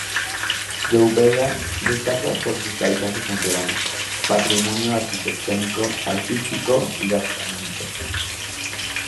Gouveia destaca por sus paisajes naturales, patrimonio arquitectónico, artístico y gastronómico.